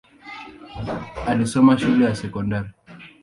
Alisoma shule ya sekondari.